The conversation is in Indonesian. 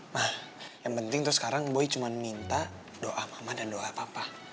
nah yang penting tuh sekarang boy cuma minta doa mama dan doa apa apa